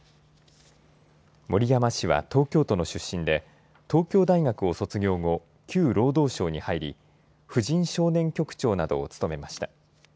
森山氏は東京都の出身で東京大学を卒業後、旧労働省に入り婦人少年局長などを務めました。